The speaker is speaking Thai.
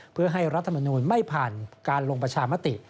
เพื่อให้รัฐมนูลไม่ผ่านการลงประชามติ